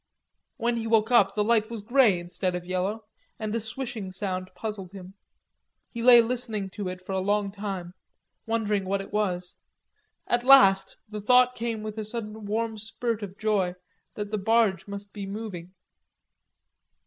When he woke up the light was grey instead of yellow, and a swishing sound puzzled him. He lay listening to it for a long time, wondering what it was. At last the thought came with a sudden warm spurt of joy that the barge must be moving.